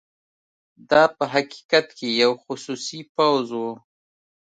دا په حقیقت کې یو خصوصي پوځ وو.